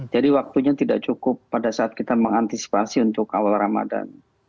jadi waktunya tidak cukup pada saat kita mengantisipasi untuk awal ramadan